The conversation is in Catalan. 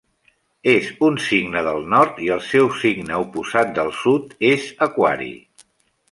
És un signe del nord i el seu signe oposat del sud és aquari.